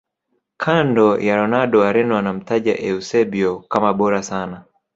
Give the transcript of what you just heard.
Kando ya Ronaldo wareno wanamtaja eusebio kama bora sana